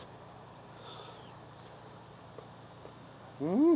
うん！